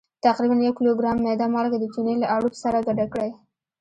تقریبا یو کیلوګرام میده مالګه د چونې له اړوب سره ګډه کړئ.